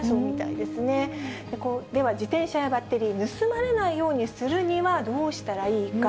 では、自転車やバッテリー、盗まれないようにするにはどうしたらいいか。